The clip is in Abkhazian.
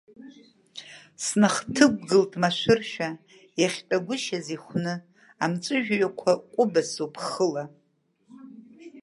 Снахҭықәгылт машәыршәа, иахьтәагәышьаз ихәны, амҵыжәҩақәа ҟәыбасоуп хыла.